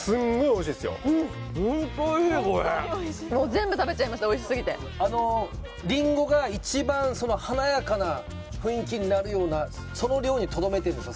１回食べるとおいしすぎてリンゴが一番華やかな雰囲気になるようなその量にとどめてんですよ